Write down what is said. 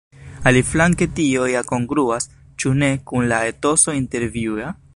Aliflanke tio ja kongruas, ĉu ne, kun la etoso intervjua?